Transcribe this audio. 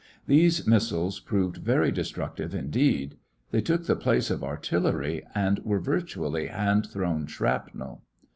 These missiles proved very destructive indeed. They took the place of artillery, and were virtually hand thrown shrapnel.